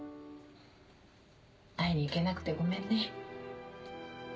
会いに行けなくてごめんね。